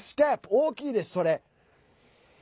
大きいです、それ。